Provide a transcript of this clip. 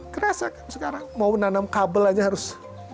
kerasa kan sekarang mau nanam kabel aja harus